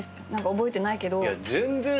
覚えてないけど。